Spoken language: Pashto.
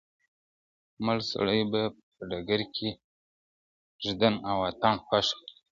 مړ سړی به په ډګر کي ږدن او اتڼ خوښ کړي.